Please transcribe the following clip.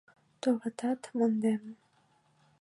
Товатат, мондем.